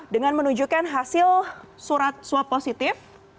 dengan menunjukkan hasil surat swab positif